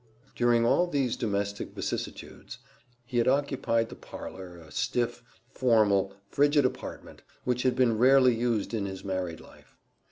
During all these domestic vicissitudes he had occupied the parlor, a stiff, formal, frigid apartment, which had been rarely used in his married life.